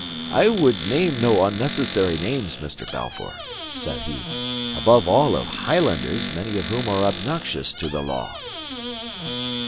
"I would name no unnecessary names, Mr. Balfour," said he; "above all of Highlanders, many of whom are obnoxious to the law."